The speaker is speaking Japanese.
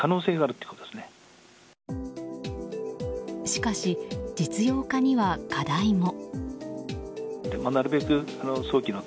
しかし、実用化には課題も。